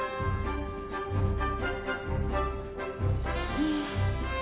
うん。